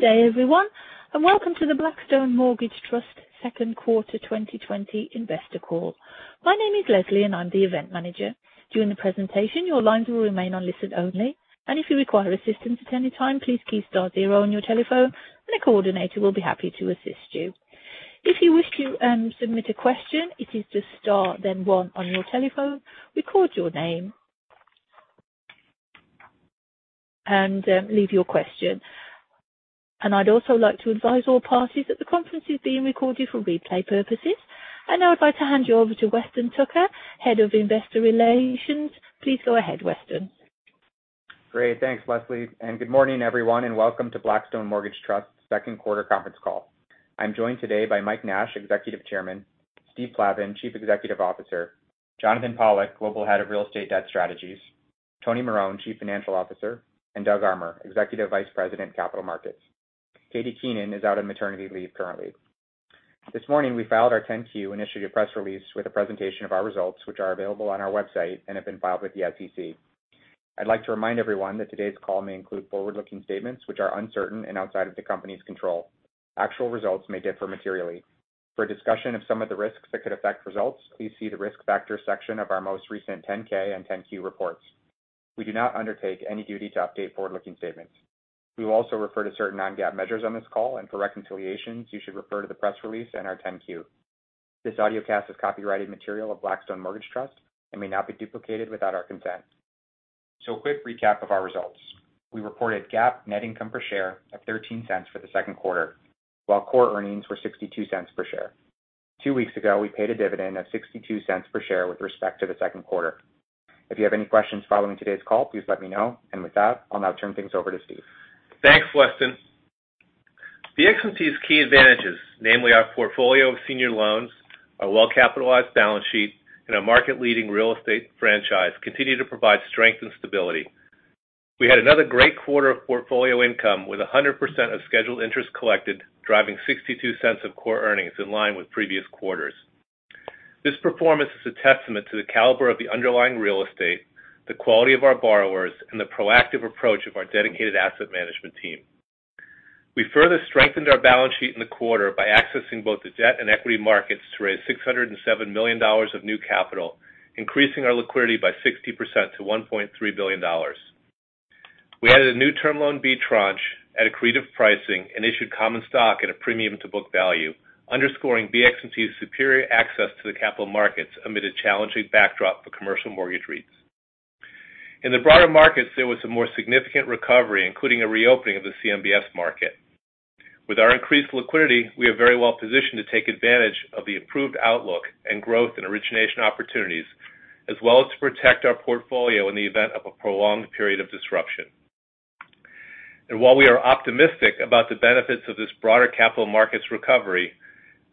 Good day, everyone, and welcome to the Blackstone Mortgage Trust Second Quarter 2020 Investor Call. My name is Leslie, and I'm the event manager. During the presentation, your lines will remain listen-only, and if you require assistance at any time, please key star zero on your telephone, and a coordinator will be happy to assist you. If you wish to submit a question, it is just star then one on your telephone, record your name, and leave your question. And I'd also like to advise all parties that the conference is being recorded for replay purposes. And now I'd like to hand you over to Weston Tucker, Head of Investor Relations. Please go ahead, Weston. Great. Thanks, Leslie. And good morning, everyone, and welcome to Blackstone Mortgage Trust second quarter conference call. I'm joined today by Mike Nash, Executive Chairman; Steve Plavin, Chief Executive Officer; Jonathan Pollack, Global Head of Real Estate Debt Strategies; Tony Marone, Chief Financial Officer; and Doug Armer, Executive Vice President, Capital Markets. Katie Keenan is out on maternity leave currently. This morning, we filed our 10-Q and initial press release with a presentation of our results, which are available on our website and have been filed with the SEC. I'd like to remind everyone that today's call may include forward-looking statements, which are uncertain and outside of the company's control. Actual results may differ materially. For discussion of some of the risks that could affect results, please see the risk factor section of our most recent 10-K and 10-Q reports. We do not undertake any duty to update forward-looking statements. We will also refer to certain non-GAAP measures on this call, and for reconciliations, you should refer to the press release and our 10-Q. This audio cast is copyrighted material of Blackstone Mortgage Trust and may not be duplicated without our consent, so a quick recap of our results. We reported GAAP net income per share of $0.13 for the second quarter, while core earnings were $0.62 per share. Two weeks ago, we paid a dividend of $0.62 per share with respect to the second quarter. If you have any questions following today's call, please let me know, and with that, I'll now turn things over to Steve. Thanks, Weston. BXMT's key advantages, namely our portfolio of senior loans, our well-capitalized balance sheet, and our market-leading real estate franchise, continue to provide strength and stability. We had another great quarter of portfolio income with 100% of scheduled interest collected, driving $0.62 of core earnings in line with previous quarters. This performance is a testament to the caliber of the underlying real estate, the quality of our borrowers, and the proactive approach of our dedicated asset management team. We further strengthened our balance sheet in the quarter by accessing both the debt and equity markets to raise $607 million of new capital, increasing our liquidity by 60% to $1.3 billion. We added a new Term Loan B tranche at a creative pricing and issued common stock at a premium to book value, underscoring BXMT's superior access to the capital markets amid a challenging backdrop for commercial mortgage REITs. In the broader markets, there was a more significant recovery, including a reopening of the CMBS market. With our increased liquidity, we are very well positioned to take advantage of the improved outlook and growth in origination opportunities, as well as to protect our portfolio in the event of a prolonged period of disruption. And while we are optimistic about the benefits of this broader capital markets recovery,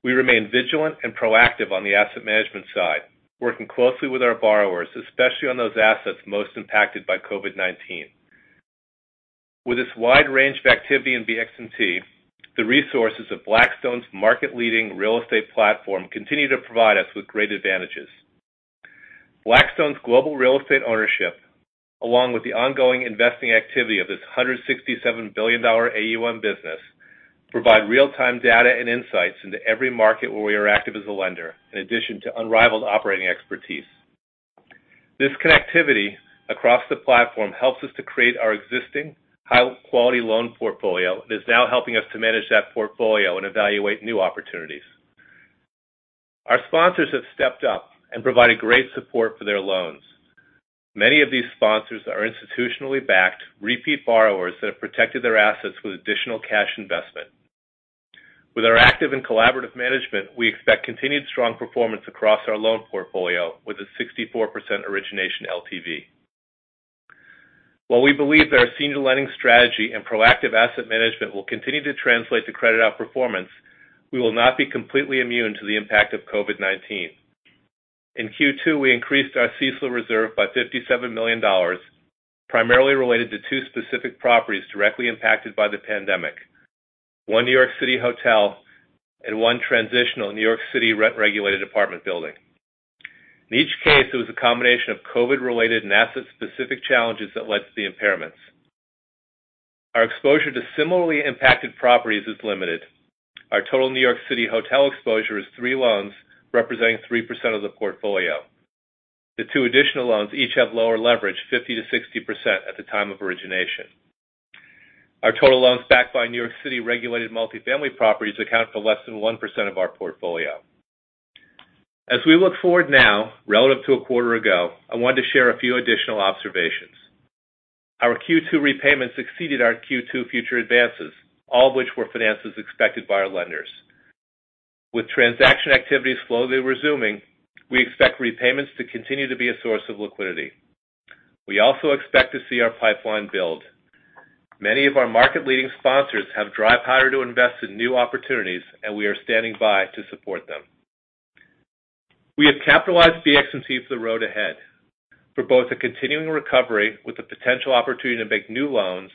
we remain vigilant and proactive on the asset management side, working closely with our borrowers, especially on those assets most impacted by COVID-19. With this wide range of activity in BXMT, the resources of Blackstone's market-leading real estate platform continue to provide us with great advantages. Blackstone's global real estate ownership, along with the ongoing investing activity of this $167 billion AUM business, provide real-time data and insights into every market where we are active as a lender, in addition to unrivaled operating expertise. This connectivity across the platform helps us to create our existing high-quality loan portfolio and is now helping us to manage that portfolio and evaluate new opportunities. Our sponsors have stepped up and provided great support for their loans. Many of these sponsors are institutionally backed, repeat borrowers that have protected their assets with additional cash investment. With our active and collaborative management, we expect continued strong performance across our loan portfolio with a 64% origination LTV. While we believe that our senior lending strategy and proactive asset management will continue to translate to credit outperformance, we will not be completely immune to the impact of COVID-19. In Q2, we increased our CECL reserve by $57 million, primarily related to two specific properties directly impacted by the pandemic: one New York City hotel and one transitional New York City rent-regulated apartment building. In each case, it was a combination of COVID-related and asset-specific challenges that led to the impairments. Our exposure to similarly impacted properties is limited. Our total New York City hotel exposure is three loans, representing 3% of the portfolio. The two additional loans each have lower leverage, 50%-60% at the time of origination. Our total loans backed by New York City regulated multifamily properties account for less than 1% of our portfolio. As we look forward now, relative to a quarter ago, I wanted to share a few additional observations. Our Q2 repayments exceeded our Q2 future advances, all of which were financed as expected by our lenders. With transaction activities slowly resuming, we expect repayments to continue to be a source of liquidity. We also expect to see our pipeline build. Many of our market-leading sponsors have dry powder to invest in new opportunities, and we are standing by to support them. We have capitalized BXMT for the road ahead, for both a continuing recovery with the potential opportunity to make new loans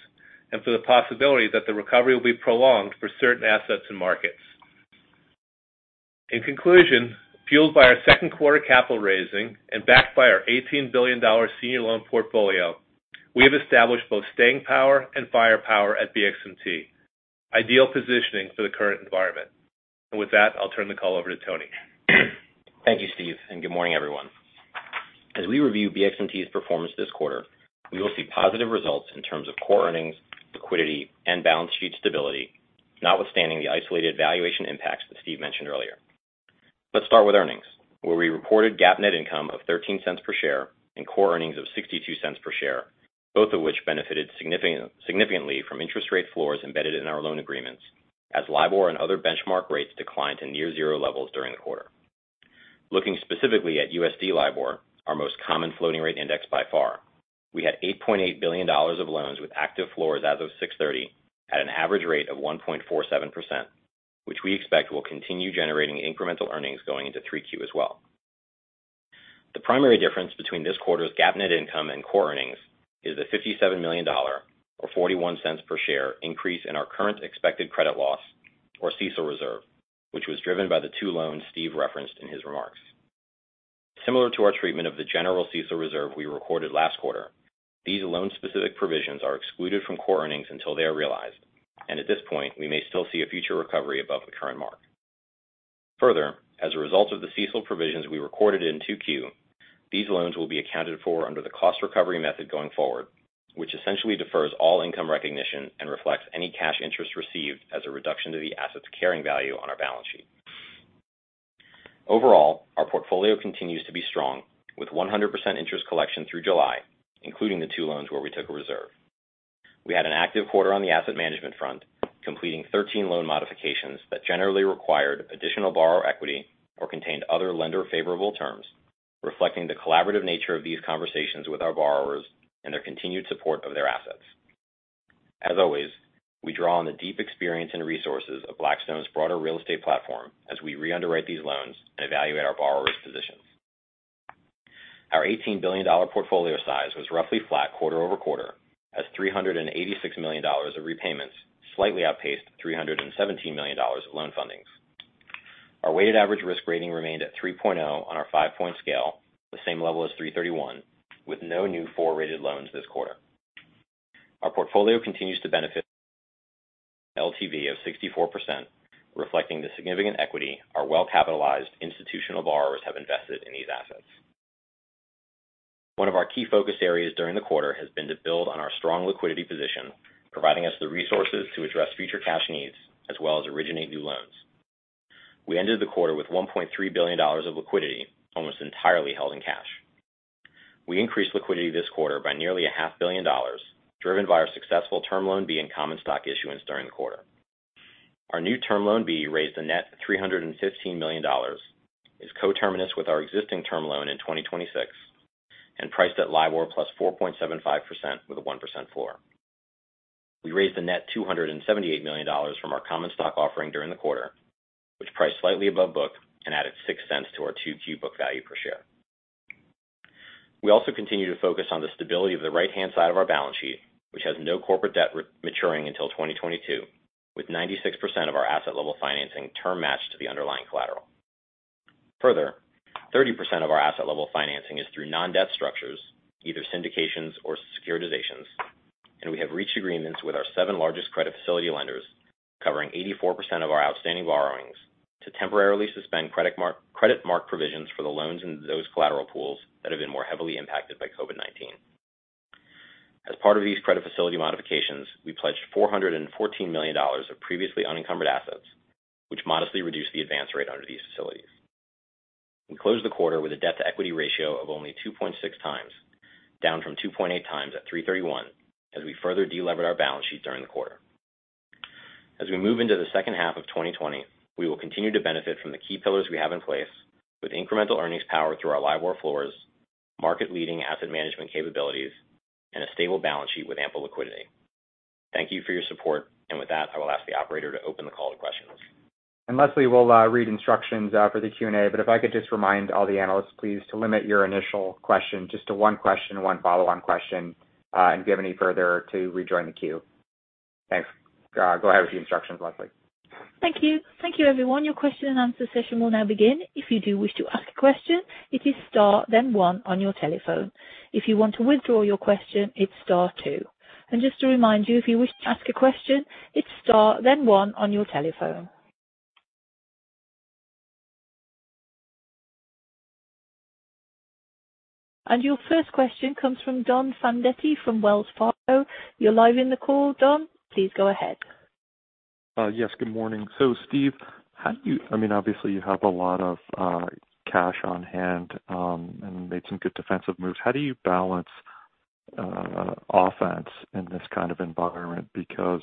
and for the possibility that the recovery will be prolonged for certain assets and markets. In conclusion, fueled by our second quarter capital raising and backed by our $18 billion senior loan portfolio, we have established both staying power and firepower at BXMT, ideal positioning for the current environment, and with that, I'll turn the call over to Tony. Thank you, Steve, and good morning, everyone. As we review BXMT's performance this quarter, we will see positive results in terms of core earnings, liquidity, and balance sheet stability, notwithstanding the isolated valuation impacts that Steve mentioned earlier. Let's start with earnings, where we reported GAAP net income of $0.13 per share and core earnings of $0.62 per share, both of which benefited significantly from interest rate floors embedded in our loan agreements, as LIBOR and other benchmark rates declined to near-zero levels during the quarter. Looking specifically at USD LIBOR, our most common floating rate index by far, we had $8.8 billion of loans with active floors as of 6/30 at an average rate of 1.47%, which we expect will continue generating incremental earnings going into 3Q as well. The primary difference between this quarter's GAAP net income and core earnings is the $57 million, or $0.41 per share, increase in our current expected credit loss, or CECL reserve, which was driven by the two loans Steve referenced in his remarks. Similar to our treatment of the general CECL reserve we recorded last quarter, these loan-specific provisions are excluded from core earnings until they are realized, and at this point, we may still see a future recovery above the current mark. Further, as a result of the CECL provisions we recorded in 2Q, these loans will be accounted for under the cost recovery method going forward, which essentially defers all income recognition and reflects any cash interest received as a reduction to the asset's carrying value on our balance sheet. Overall, our portfolio continues to be strong, with 100% interest collection through July, including the two loans where we took a reserve. We had an active quarter on the asset management front, completing 13 loan modifications that generally required additional borrower equity or contained other lender-favorable terms, reflecting the collaborative nature of these conversations with our borrowers and their continued support of their assets. As always, we draw on the deep experience and resources of Blackstone's broader real estate platform as we re-underwrite these loans and evaluate our borrowers' positions. Our $18 billion portfolio size was roughly flat quarter over quarter, as $386 million of repayments slightly outpaced $317 million of loan fundings. Our weighted average risk rating remained at 3.0 on our five-point scale, the same level as 3/31, with no new four-rated loans this quarter. Our portfolio continues to benefit from an LTV of 64%, reflecting the significant equity our well-capitalized institutional borrowers have invested in these assets. One of our key focus areas during the quarter has been to build on our strong liquidity position, providing us the resources to address future cash needs as well as originate new loans. We ended the quarter with $1.3 billion of liquidity, almost entirely held in cash. We increased liquidity this quarter by nearly $500 million, driven by our successful Term Loan B and common stock issuance during the quarter. Our new Term Loan B raised a net $315 million, is coterminous with our existing term loan in 2026, and priced at LIBOR plus 4.75% with a 1% floor. We raised a net $278 million from our common stock offering during the quarter, which priced slightly above book and added $0.06 to our 2Q book value per share. We also continue to focus on the stability of the right-hand side of our balance sheet, which has no corporate debt maturing until 2022, with 96% of our asset-level financing term-matched to the underlying collateral. Further, 30% of our asset-level financing is through non-debt structures, either syndications or securitizations, and we have reached agreements with our seven largest credit facility lenders, covering 84% of our outstanding borrowings, to temporarily suspend credit mark provisions for the loans in those collateral pools that have been more heavily impacted by COVID-19. As part of these credit facility modifications, we pledged $414 million of previously unencumbered assets, which modestly reduced the advance rate under these facilities. We closed the quarter with a debt-to-equity ratio of only 2.6 times, down from 2.8 times at 3/31, as we further de-levered our balance sheet during the quarter. As we move into the second half of 2020, we will continue to benefit from the key pillars we have in place, with incremental earnings power through our LIBOR floors, market-leading asset management capabilities, and a stable balance sheet with ample liquidity. Thank you for your support, and with that, I will ask the operator to open the call to questions. And Leslie, we'll read instructions for the Q&A, but if I could just remind all the analysts, please to limit your initial question just to one question, one follow-on question, and if you have any further to rejoin the queue. Thanks. Go ahead with the instructions, Leslie. Thank you. Thank you, everyone. Your question and answer session will now begin. If you do wish to ask a question, it is STAR, then 1 on your telephone. If you want to withdraw your question, it's Star 2. And just to remind you, if you wish to ask a question, it's Star, then 1 on your telephone. And your first question comes from Don Fandetti from Wells Fargo. You're live in the call, Don. Please go ahead. Yes, good morning. So Steve, how do you, I mean, obviously, you have a lot of cash on hand and made some good defensive moves. How do you balance offense in this kind of environment? Because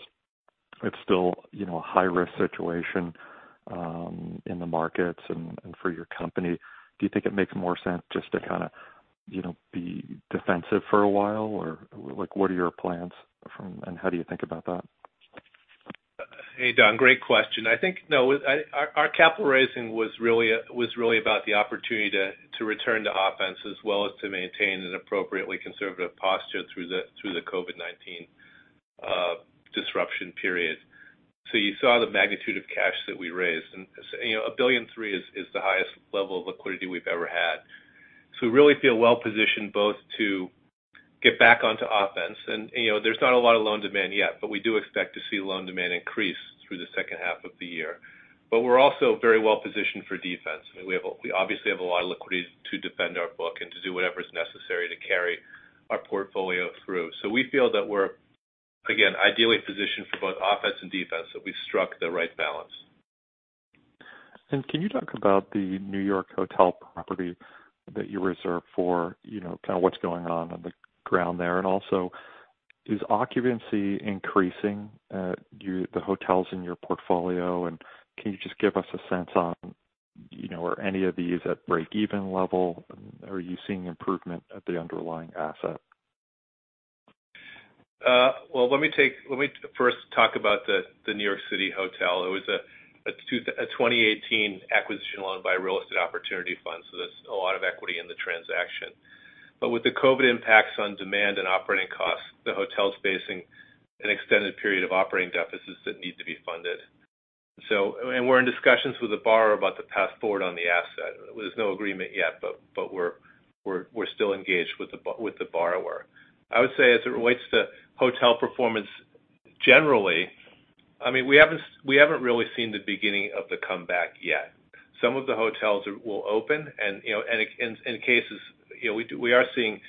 it's still a high-risk situation in the markets and for your company. Do you think it makes more sense just to kind of be defensive for a while, or what are your plans from and how do you think about that? Hey, Don, great question. I think, no, our capital raising was really about the opportunity to return to offense as well as to maintain an appropriately conservative posture through the COVID-19 disruption period. So you saw the magnitude of cash that we raised. And $1.003 billion is the highest level of liquidity we've ever had. So we really feel well-positioned both to get back onto offense. And there's not a lot of loan demand yet, but we do expect to see loan demand increase through the second half of the year. But we're also very well-positioned for defense. I mean, we obviously have a lot of liquidity to defend our book and to do whatever is necessary to carry our portfolio through. So we feel that we're, again, ideally positioned for both offense and defense, that we've struck the right balance. Can you talk about the New York hotel property that you reserved for, kind of what's going on on the ground there? And also, is occupancy increasing at the hotels in your portfolio? And can you just give us a sense on, are any of these at break-even level? Are you seeing improvement at the underlying asset? Let me first talk about the New York City hotel. It was a 2018 acquisition loan by real estate opportunity fund, so there's a lot of equity in the transaction. With the COVID impacts on demand and operating costs, the hotel's facing an extended period of operating deficits that need to be funded. We're in discussions with the borrower about the path forward on the asset. There's no agreement yet, but we're still engaged with the borrower. I would say as it relates to hotel performance generally, I mean, we haven't really seen the beginning of the comeback yet. Some of the hotels will open, and in cases, we are seeing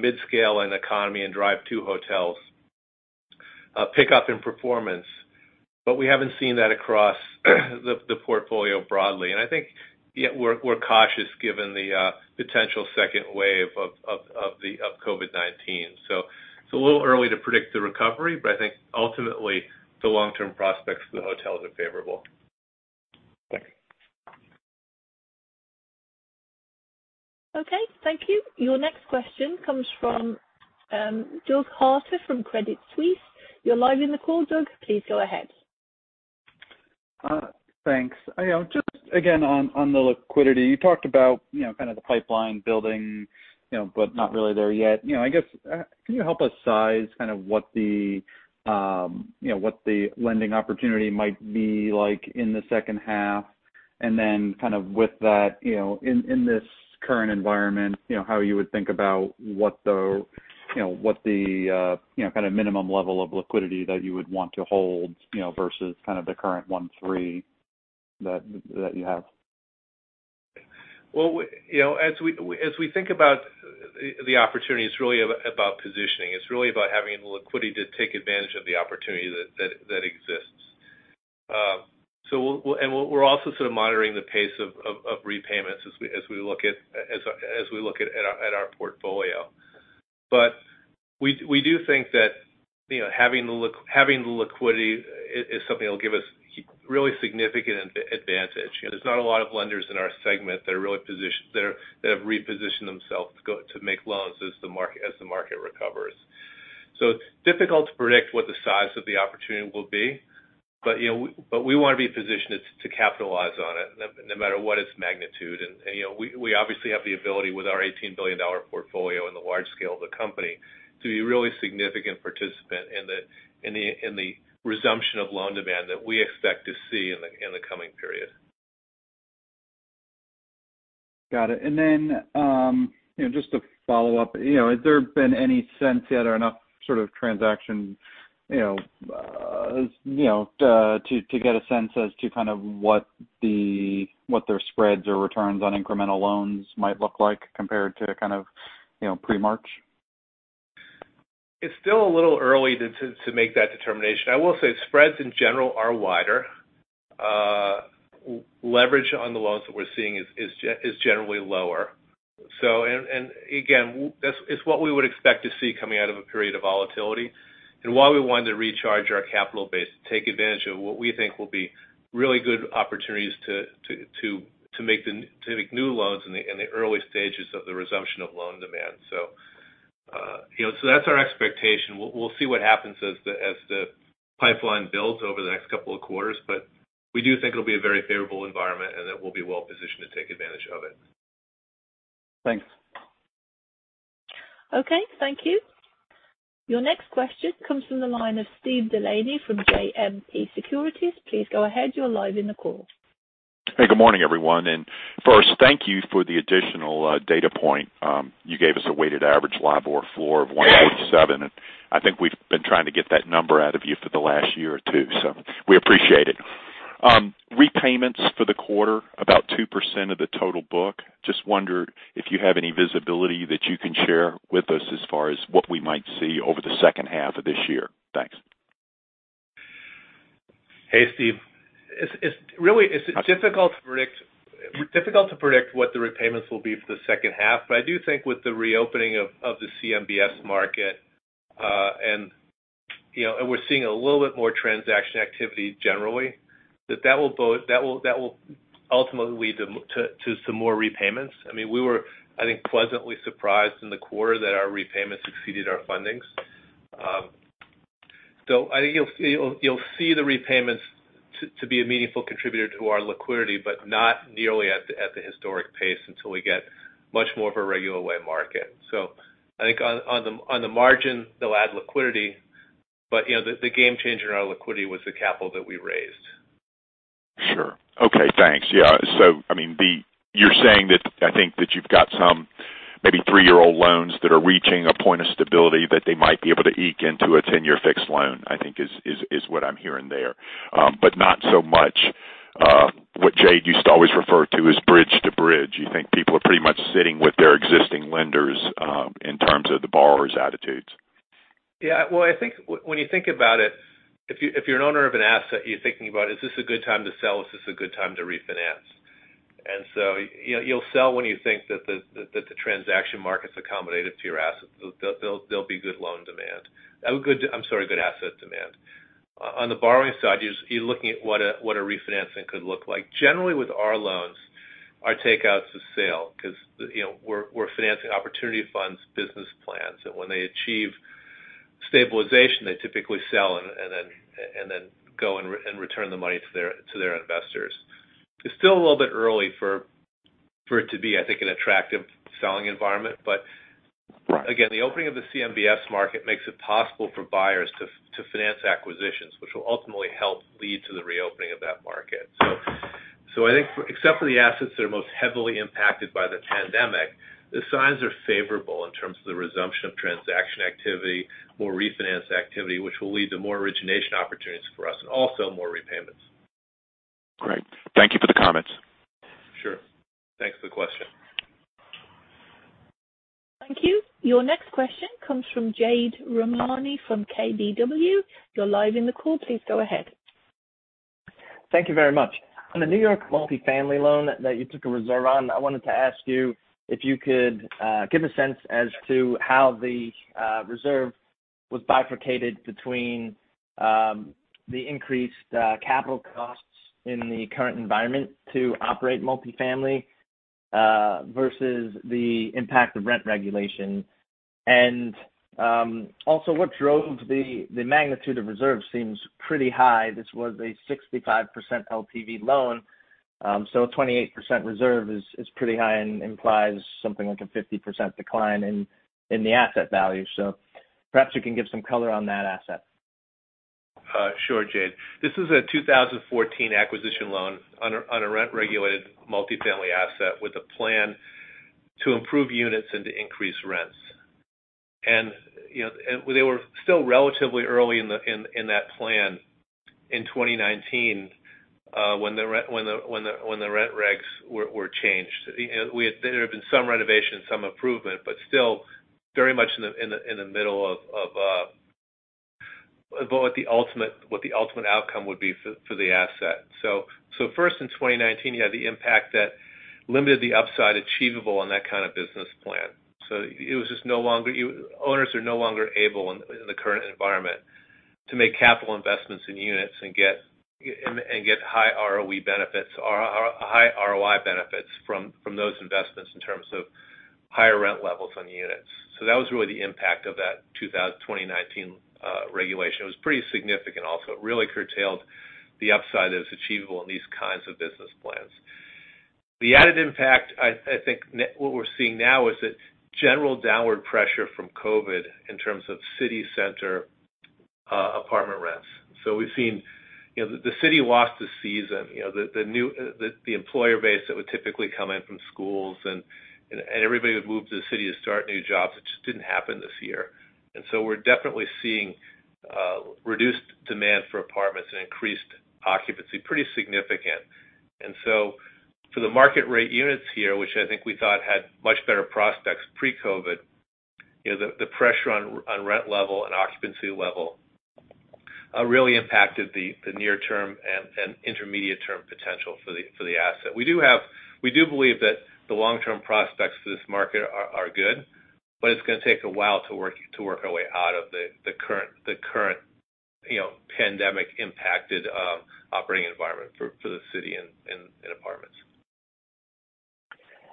mid-scale and economy and drive-to hotels pick up in performance, but we haven't seen that across the portfolio broadly. I think we're cautious given the potential second wave of COVID-19. It's a little early to predict the recovery, but I think ultimately the long-term prospects for the hotels are favorable. Thanks. Okay. Thank you. Your next question comes from Doug Harter from Credit Suisse. You're live in the call, Doug. Please go ahead. Thanks. Just again on the liquidity, you talked about kind of the pipeline building, but not really there yet. I guess, can you help us size kind of what the lending opportunity might be like in the second half? And then kind of with that, in this current environment, how you would think about what the kind of minimum level of liquidity that you would want to hold versus kind of the current 1.3 that you have? As we think about the opportunity, it's really about positioning. It's really about having the liquidity to take advantage of the opportunity that exists. And we're also sort of monitoring the pace of repayments as we look at our portfolio. But we do think that having the liquidity is something that will give us really significant advantage. There's not a lot of lenders in our segment that have repositioned themselves to make loans as the market recovers. So it's difficult to predict what the size of the opportunity will be, but we want to be positioned to capitalize on it no matter what its magnitude. And we obviously have the ability with our $18 billion portfolio and the large scale of the company to be a really significant participant in the resumption of loan demand that we expect to see in the coming period. Got it. And then just to follow up, has there been any sense yet or enough sort of transaction to get a sense as to kind of what their spreads or returns on incremental loans might look like compared to kind of pre-March? It's still a little early to make that determination. I will say spreads in general are wider. Leverage on the loans that we're seeing is generally lower. And again, it's what we would expect to see coming out of a period of volatility. And why we wanted to recharge our capital base to take advantage of what we think will be really good opportunities to make new loans in the early stages of the resumption of loan demand. So that's our expectation. We'll see what happens as the pipeline builds over the next couple of quarters, but we do think it'll be a very favorable environment and that we'll be well-positioned to take advantage of it. Thanks. Okay. Thank you. Your next question comes from the line of Steve Delaney from JMP Securities. Please go ahead. You're live in the call. Hey, good morning, everyone. And first, thank you for the additional data point. You gave us a weighted average LIBOR floor of 147, and I think we've been trying to get that number out of you for the last year or two, so we appreciate it. Repayments for the quarter, about 2% of the total book. Just wonder if you have any visibility that you can share with us as far as what we might see over the second half of this year. Thanks. Hey, Steve. Really, it’s difficult to predict what the repayments will be for the second half, but I do think with the reopening of the CMBS market and we’re seeing a little bit more transaction activity generally, that that will ultimately lead to some more repayments. I mean, we were, I think, pleasantly surprised in the quarter that our repayments exceeded our fundings. So I think you’ll see the repayments to be a meaningful contributor to our liquidity, but not nearly at the historic pace until we get much more of a regular way market. So I think on the margin, they’ll add liquidity, but the game changer in our liquidity was the capital that we raised. Sure. Okay. Thanks. Yeah. So I mean, you're saying that I think that you've got some maybe three-year-old loans that are reaching a point of stability that they might be able to eke into a 10-year fixed loan, I think, is what I'm hearing there, but not so much what Jade used to always refer to as bridge to bridge. You think people are pretty much sitting with their existing lenders in terms of the borrower's attitudes. Yeah, well, I think when you think about it, if you're an owner of an asset, you're thinking about, "Is this a good time to sell? Is this a good time to refinance?", and so you'll sell when you think that the transaction market's accommodative to your asset. There'll be good loan demand. I'm sorry, good asset demand. On the borrowing side, you're looking at what a refinancing could look like. Generally, with our loans, our takeouts are sale because we're financing opportunity funds, business plans, and when they achieve stabilization, they typically sell and then go and return the money to their investors. It's still a little bit early for it to be, I think, an attractive selling environment, but again, the opening of the CMBS market makes it possible for buyers to finance acquisitions, which will ultimately help lead to the reopening of that market. So I think, except for the assets that are most heavily impacted by the pandemic, the signs are favorable in terms of the resumption of transaction activity, more refinance activity, which will lead to more origination opportunities for us and also more repayments. Great. Thank you for the comments. Sure. Thanks for the question. Thank you. Your next question comes from Jade Rahmani from KBW. You're live in the call. Please go ahead. Thank you very much. On the New York multifamily loan that you took a reserve on, I wanted to ask you if you could give a sense as to how the reserve was bifurcated between the increased capital costs in the current environment to operate multifamily versus the impact of rent regulation. And also, what drove the magnitude of the reserve? It seems pretty high. This was a 65% LTV loan, so a 28% reserve is pretty high and implies something like a 50% decline in the asset value. So perhaps you can give some color on that asset. Sure, Jade. This is a 2014 acquisition loan on a rent-regulated multifamily asset with a plan to improve units and to increase rents, and they were still relatively early in that plan in 2019 when the rent regs were changed. There had been some renovation, some improvement, but still very much in the middle of what the ultimate outcome would be for the asset, so first, in 2019, you had the impact that limited the upside achievable on that kind of business plan, so it was just no longer. Owners are no longer able in the current environment to make capital investments in units and get high ROI benefits from those investments in terms of higher rent levels on units, so that was really the impact of that 2019 regulation. It was pretty significant also. It really curtailed the upside that was achievable in these kinds of business plans. The added impact, I think, is what we're seeing now: that general downward pressure from COVID in terms of city center apartment rents, so we've seen the city lost a season. The employer base that would typically come in from schools and everybody would move to the city to start new jobs, it just didn't happen this year, and so we're definitely seeing reduced demand for apartments and decreased occupancy pretty significant. And so for the market-rate units here, which I think we thought had much better prospects pre-COVID, the pressure on rent level and occupancy level really impacted the near-term and intermediate-term potential for the asset. We do believe that the long-term prospects for this market are good, but it's going to take a while to work our way out of the current pandemic-impacted operating environment for the city and apartments.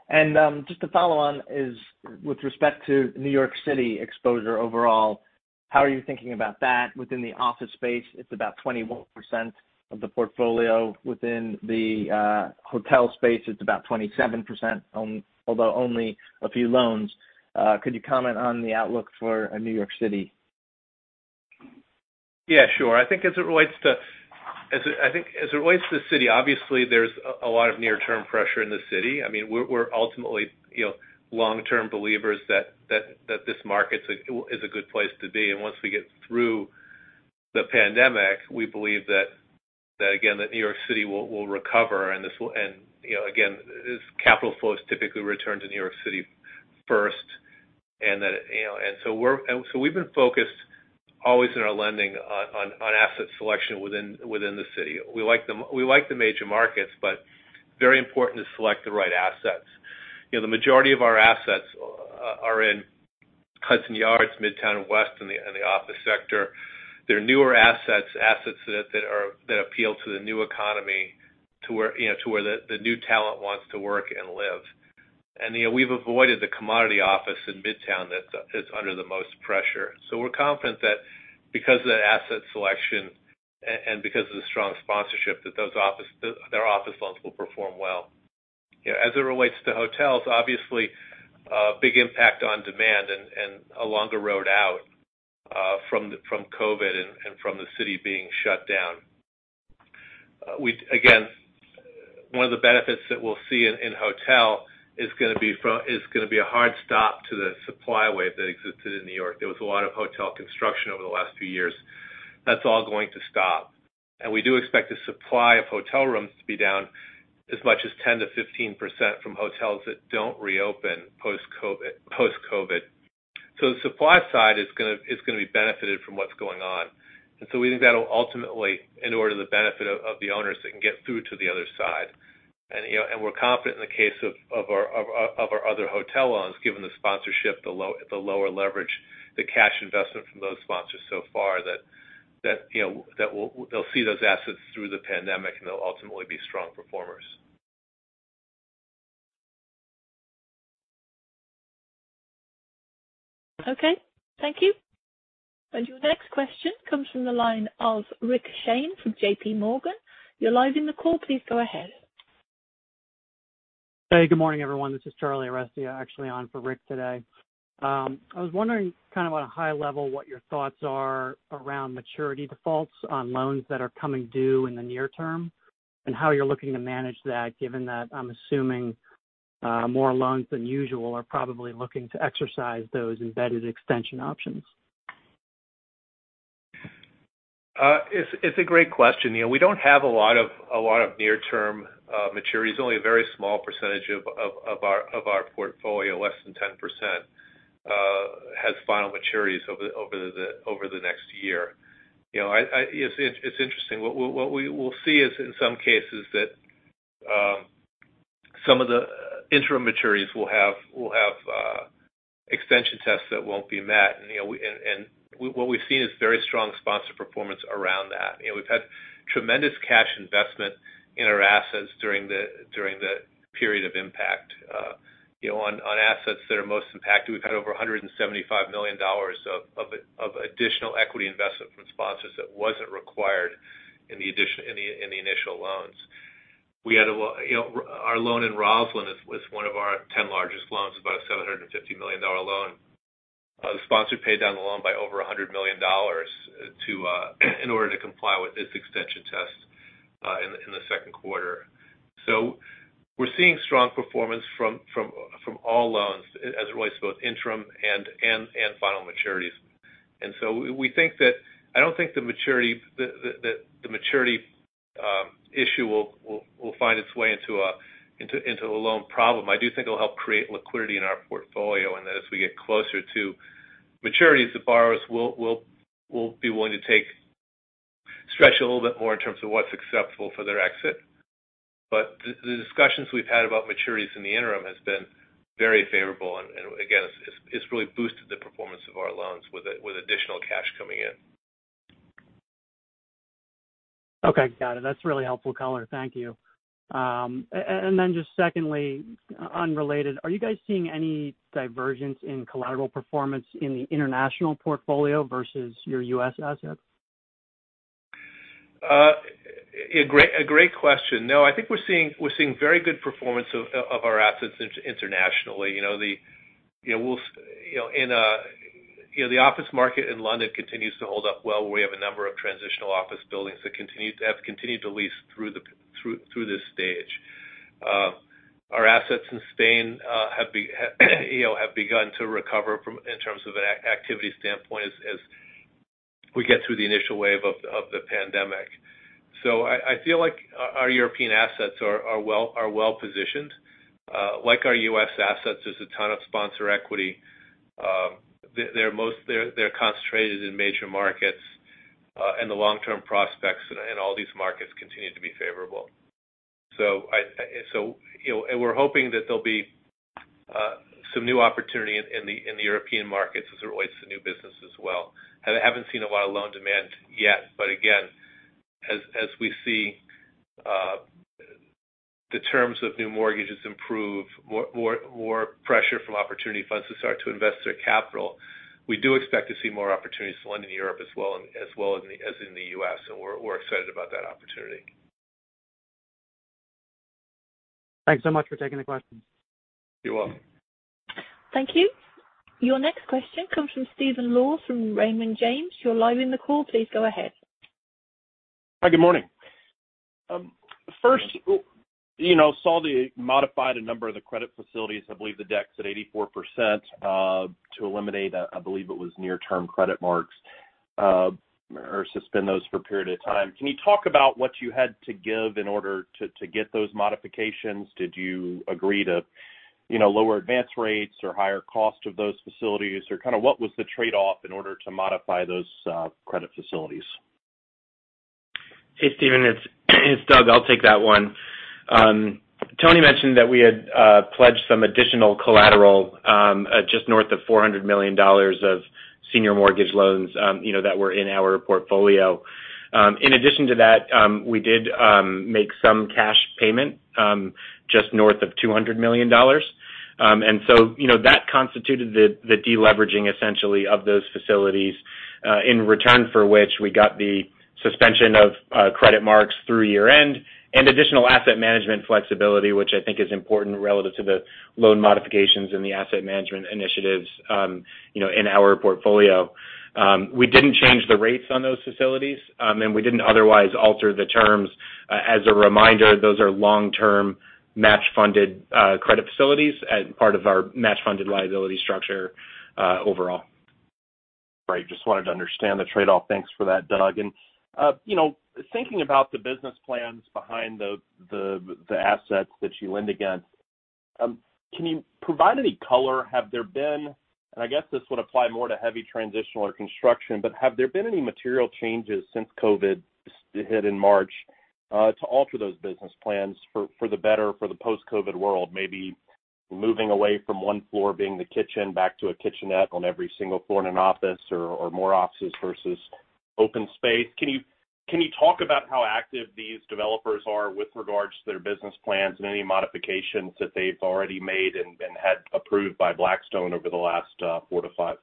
And just to follow on is with respect to New York City exposure overall, how are you thinking about that? Within the office space, it's about 21% of the portfolio. Within the hotel space, it's about 27%, although only a few loans. Could you comment on the outlook for New York City? Yeah, sure. I think as it relates to the city, obviously, there's a lot of near-term pressure in the city. I mean, we're ultimately long-term believers that this market is a good place to be. Once we get through the pandemic, we believe that, again, New York City will recover. Again, capital flows typically return to New York City first. We've been focused always in our lending on asset selection within the city. We like the major markets, but very important to select the right assets. The majority of our assets are in Hudson Yards, Midtown West, and the office sector. They're newer assets, assets that appeal to the new economy to where the new talent wants to work and live. We've avoided the commodity office in Midtown that's under the most pressure. We're confident that because of that asset selection and because of the strong sponsorship, that their office loans will perform well. As it relates to hotels, obviously, a big impact on demand and a longer road out from COVID and from the city being shut down. Again, one of the benefits that we'll see in hotel is going to be a hard stop to the supply wave that existed in New York. There was a lot of hotel construction over the last few years. That's all going to stop. And we do expect the supply of hotel rooms to be down as much as 10%-15% from hotels that don't reopen post-COVID. The supply side is going to be benefited from what's going on. And so we think that will ultimately in order to the benefit of the owners that can get through to the other side. And we're confident in the case of our other hotel loans, given the sponsorship, the lower leverage, the cash investment from those sponsors so far, that they'll see those assets through the pandemic and they'll ultimately be strong performers. Okay. Thank you. And your next question comes from the line of Rick Shane from J.P. Morgan. You're live in the call. Please go ahead. Hey, good morning, everyone. This is Charlie Aresti, actually on for Rick today. I was wondering kind of on a high level what your thoughts are around maturity defaults on loans that are coming due in the near term and how you're looking to manage that given that I'm assuming more loans than usual are probably looking to exercise those embedded extension options? It's a great question. We don't have a lot of near-term maturities. Only a very small percentage of our portfolio, less than 10%, has final maturities over the next year. It's interesting. What we will see is in some cases that some of the interim maturities will have extension tests that won't be met. And what we've seen is very strong sponsor performance around that. We've had tremendous cash investment in our assets during the period of impact. On assets that are most impacted, we've had over $175 million of additional equity investment from sponsors that wasn't required in the initial loans. We had our loan in Rosslyn was one of our 10 largest loans, about a $750 million loan. The sponsor paid down the loan by over $100 million in order to comply with this extension test in the second quarter. We're seeing strong performance from all loans as it relates to both interim and final maturities. We think that I don't think the maturity issue will find its way into a loan problem. I do think it'll help create liquidity in our portfolio and that as we get closer to maturities, the borrowers will be willing to stretch a little bit more in terms of what's acceptable for their exit. The discussions we've had about maturities in the interim have been very favorable. Again, it's really boosted the performance of our loans with additional cash coming in. Okay. Got it. That's really helpful, color. Thank you. And then just secondly, unrelated, are you guys seeing any divergence in collateral performance in the international portfolio versus your U.S. assets? A great question. No, I think we're seeing very good performance of our assets internationally. In the office market in London continues to hold up well. We have a number of transitional office buildings that have continued to lease through this stage. Our assets in Spain have begun to recover in terms of an activity standpoint as we get through the initial wave of the pandemic. So I feel like our European assets are well positioned. Like our U.S. assets, there's a ton of sponsor equity. They're concentrated in major markets, and the long-term prospects in all these markets continue to be favorable. So we're hoping that there'll be some new opportunity in the European markets as it relates to new business as well. I haven't seen a lot of loan demand yet, but again, as we see the terms of new mortgages improve, more pressure from opportunity funds to start to invest their capital, we do expect to see more opportunities to lend in Europe as well as in the U.S., and we're excited about that opportunity. Thanks so much for taking the questions. You're welcome. Thank you. Your next question comes from Stephen Laws from Raymond James. You're live in the call. Please go ahead. Hi, good morning. First, I saw that you modified a number of the credit facilities. I believe the advance rate at 84% to eliminate, I believe it was near-term credit marks or suspend those for a period of time. Can you talk about what you had to give in order to get those modifications? Did you agree to lower advance rates or higher cost of those facilities? Or kind of what was the trade-off in order to modify those credit facilities? Hey, Stephen, it's Doug. I'll take that one. Tony mentioned that we had pledged some additional collateral just north of $400 million of senior mortgage loans that were in our portfolio. In addition to that, we did make some cash payment just north of $200 million. And so that constituted the deleveraging essentially of those facilities in return for which we got the suspension of credit marks through year-end and additional asset management flexibility, which I think is important relative to the loan modifications and the asset management initiatives in our portfolio. We didn't change the rates on those facilities, and we didn't otherwise alter the terms. As a reminder, those are long-term match-funded credit facilities as part of our match-funded liability structure overall. Great. Just wanted to understand the trade-off. Thanks for that, Doug. And thinking about the business plans behind the assets that you lend against, can you provide any color? Have there been, and I guess this would apply more to heavy transitional or construction, but have there been any material changes since COVID hit in March to alter those business plans for the better for the post-COVID world? Maybe moving away from one floor being the kitchen back to a kitchenette on every single floor in an office or more offices versus open space. Can you talk about how active these developers are with regards to their business plans and any modifications that they've already made and had approved by Blackstone over the last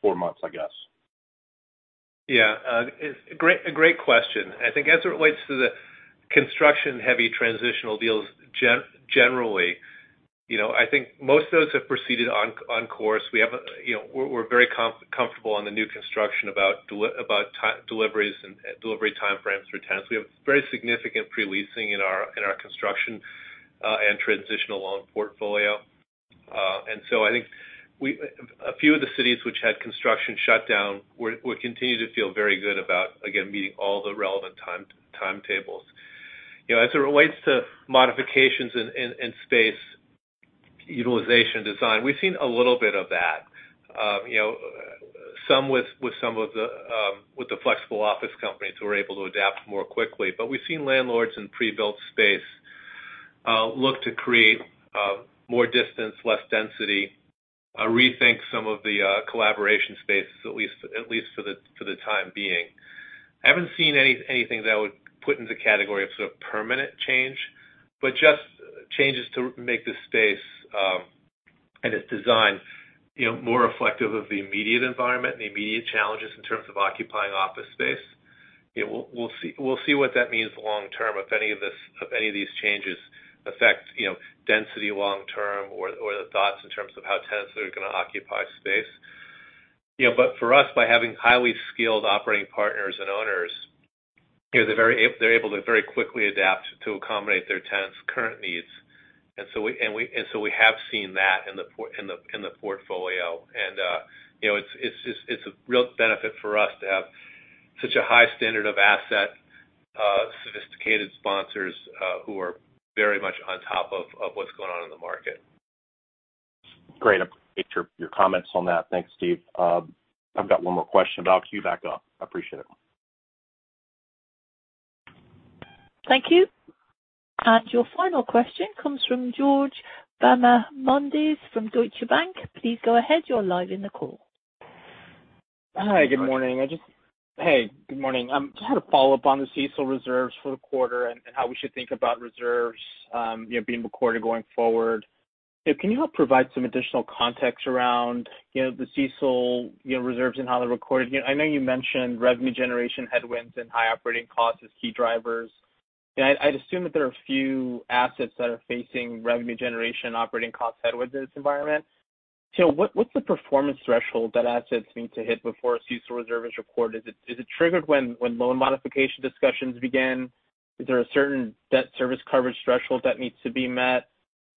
four months, I guess? Yeah. A great question. I think as it relates to the construction heavy transitional deals generally, I think most of those have proceeded on course. We're very comfortable on the new construction about delivery timeframes for tenants. We have very significant pre-leasing in our construction and transitional loan portfolio. And so I think a few of the cities which had construction shut down, we continue to feel very good about, again, meeting all the relevant timetables. As it relates to modifications in space, utilization, design, we've seen a little bit of that, some with some of the flexible office companies who are able to adapt more quickly. But we've seen landlords in pre-built space look to create more distance, less density, rethink some of the collaboration spaces, at least for the time being. I haven't seen anything that would put into category of sort of permanent change, but just changes to make the space and its design more reflective of the immediate environment and the immediate challenges in terms of occupying office space. We'll see what that means long-term if any of these changes affect density long-term or the thoughts in terms of how tenants are going to occupy space, but for us, by having highly skilled operating partners and owners, they're able to very quickly adapt to accommodate their tenants' current needs, and so we have seen that in the portfolio, and it's a real benefit for us to have such a high standard of asset, sophisticated sponsors who are very much on top of what's going on in the market. Great. I appreciate your comments on that. Thanks, Steve. I've got one more question, but I'll queue back up. I appreciate it. Thank you. And your final question comes from George Bahamondes from Deutsche Bank. Please go ahead. You're live in the call. Hi, good morning. Hey, good morning. I just had a follow-up on the CECL reserves for the quarter and how we should think about reserves being recorded going forward. Can you help provide some additional context around the CECL reserves and how they're recorded? I know you mentioned revenue generation headwinds and high operating costs as key drivers. I'd assume that there are a few assets that are facing revenue generation operating costs headwinds in this environment. What's the performance threshold that assets need to hit before a CECL reserve is recorded? Is it triggered when loan modification discussions begin? Is there a certain debt service coverage threshold that needs to be met?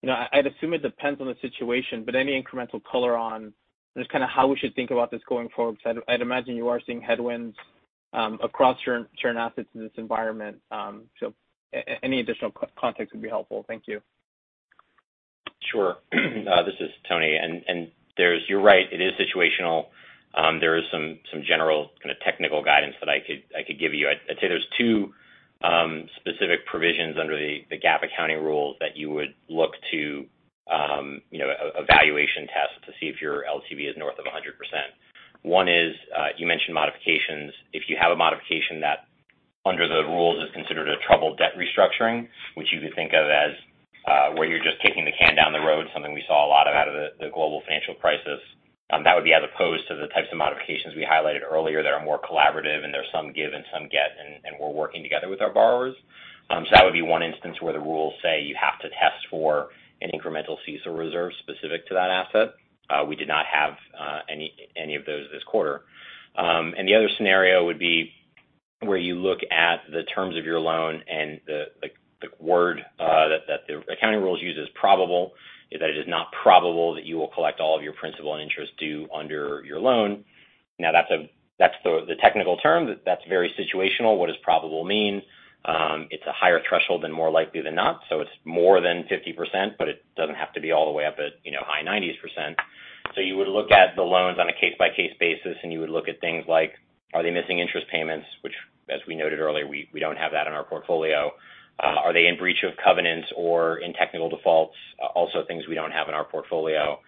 I'd assume it depends on the situation, but any incremental color on just kind of how we should think about this going forward? Because I'd imagine you are seeing headwinds across your assets in this environment. Any additional context would be helpful. Thank you. Sure. This is Tony, and you're right. It is situational. There is some general kind of technical guidance that I could give you. I'd say there's two specific provisions under the GAAP accounting rules that you would look to evaluation tests to see if your LTV is north of 100%. One is you mentioned modifications. If you have a modification that under the rules is considered a troubled debt restructuring, which you could think of as where you're just taking the can down the road, something we saw a lot of out of the global financial crisis, that would be as opposed to the types of modifications we highlighted earlier that are more collaborative and there's some give and some get, and we're working together with our borrowers. That would be one instance where the rules say you have to test for an incremental CECL reserve specific to that asset. We did not have any of those this quarter. And the other scenario would be where you look at the terms of your loan and the word that the accounting rules use is probable, is that it is not probable that you will collect all of your principal and interest due under your loan. Now, that's the technical term. That's very situational. What does probable mean? It's a higher threshold and more likely than not. So it's more than 50%, but it doesn't have to be all the way up at high 90s%. So you would look at the loans on a case-by-case basis, and you would look at things like, are they missing interest payments, which, as we noted earlier, we don't have that in our portfolio? Are they in breach of covenants or in technical defaults? Also, things we don't have in our portfolio.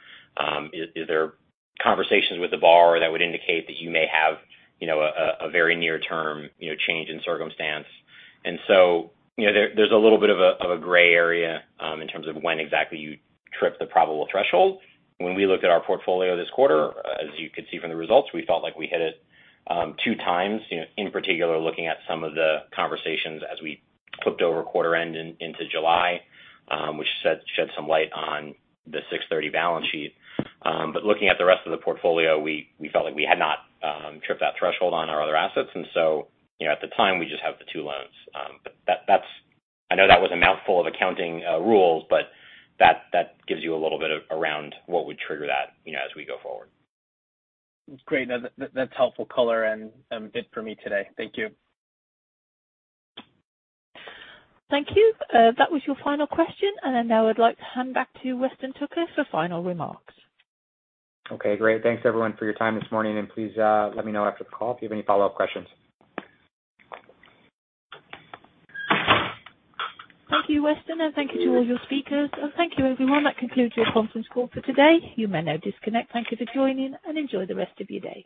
Is there conversations with the borrower that would indicate that you may have a very near-term change in circumstance? And so there's a little bit of a gray area in terms of when exactly you trip the probable threshold. When we looked at our portfolio this quarter, as you could see from the results, we felt like we hit it two times, in particular looking at some of the conversations as we flipped over quarter end into July, which shed some light on the 6/30 balance sheet. But looking at the rest of the portfolio, we felt like we had not tripped that threshold on our other assets. And so at the time, we just have the two loans. I know that was a mouthful of accounting rules, but that gives you a little bit around what would trigger that as we go forward. Great. That's helpful color and a bit for me today. Thank you. Thank you. That was your final question. And then now I'd like to hand back to Weston Tucker for final remarks. Okay. Great. Thanks, everyone, for your time this morning, and please let me know after the call if you have any follow-up questions. Thank you, Weston. And thank you to all your speakers. And thank you, everyone. That concludes your conference call for today. You may now disconnect. Thank you for joining, and enjoy the rest of your day.